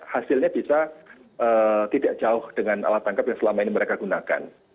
hasilnya bisa tidak jauh dengan alat tangkap yang selama ini mereka gunakan